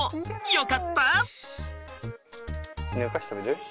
よかった！